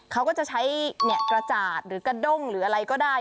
เขาก็จะใช้กระจาดหรือกระด้งหรืออะไรก็ได้